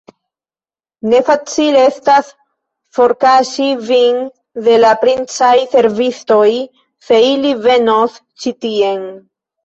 Ne facile estas forkaŝi vin de la princaj servistoj, se ili venos ĉi tien!